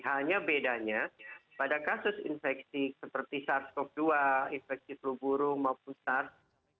hanya bedanya pada kasus infeksi seperti sars cov dua infeksi flu burung maupun sars